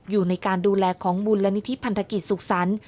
อยู่ในการดูแลของมูลนิธิพันธกิจสุขสรรค์